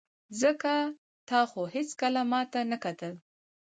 ځکه تا خو هېڅکله ماته نه کتل.